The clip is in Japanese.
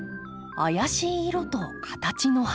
妖しい色と形の葉。